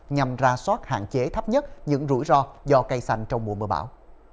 nhằm ra soát hạn chế thấp nhất những rủi ro do cây xanh trong mùa mưa bão